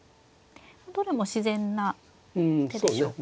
どれも自然な手でしょうか。